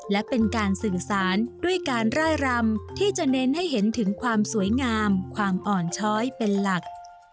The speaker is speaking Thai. และเป็นการสื่อสารด้วยการร่ายรำที่จะเน้นให้เห็นถึงความสวยงามความอ่อนช้อยเป็นหลัก